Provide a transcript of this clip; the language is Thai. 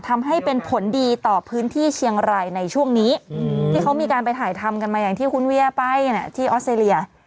ทำให้เป็นผลดีต่อพื้นที่เชียงรายในช่วงนี้ที่เขามีการไปถ่ายทำกันมาอย่างที่คุณเวียไปที่ออสเตรเลีย